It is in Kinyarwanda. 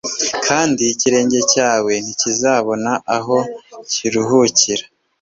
kandi ikirenge cyawe ntikizabona aho kiruhukira